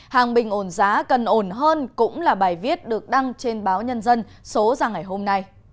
hàng bình ổn giá cần ổn hơn cũng là bài viết được đăng trên báo nhân dân số ra ngày hôm nay